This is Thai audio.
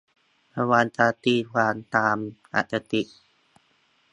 ระวังการตีความตามอคติ